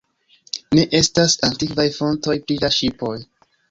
Ne estas antikvaj fontoj pri la ŝipoj.